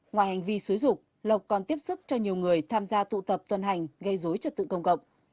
ngoài hành vi xúi dục lộc còn tiếp sức cho nhiều người tham gia tụ tập tuần hành gây dối trật tự công cộng